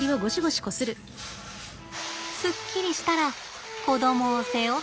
スッキリしたら子どもを背負って。